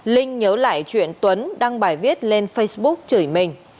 linh nhớ lại chuyện tuấn đăng bài viết lên facebook chửi mình